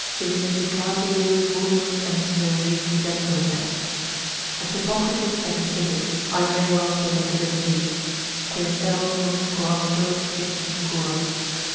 Immedicabile vulnus ense recidendum est. As Hippocrates said in physic, I may well say in divinity, Quae ferro non curantur, ignis curat.